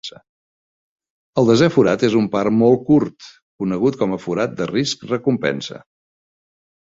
El desè forat és un par molt curt, conegut com a forat de risc-recompensa.